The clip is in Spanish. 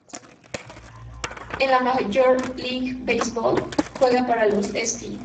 En la Major League Baseball juega para los St.